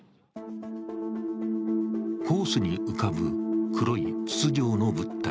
コースに浮かぶ黒い筒状の物体。